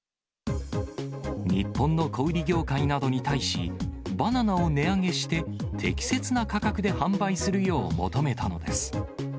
日本の小売り業界などに対し、バナナを値上げして、適切な価格で販売するよう求めたのです。